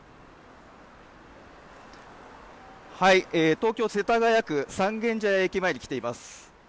東京、世田谷区三軒茶屋駅前にきています。